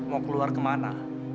mau keluar ke mana